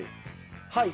はい。